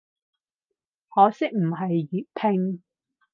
可惜唔係粵拼